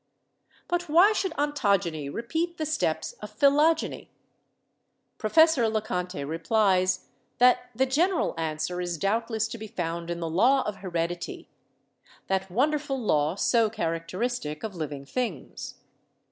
But why should ontogeny repeat the steps of phylogeny ? Professor Le Conte replies that "the general answer is doubtless to be found in the law of heredity — that wonder ful law, so characteristic of living things.